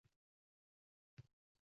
Shunday ekan o'rtoq